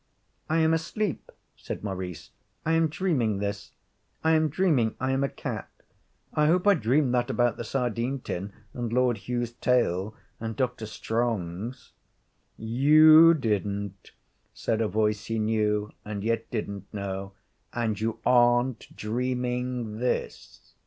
'I am asleep,' said Maurice 'I am dreaming this. I am dreaming I am a cat. I hope I dreamed that about the sardine tin and Lord Hugh's tail, and Dr. Strong's.' 'You didn't,' said a voice he knew and yet didn't know, 'and you aren't dreaming this.'